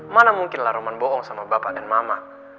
mana mungkin lah roman bohong sama bapak dan mama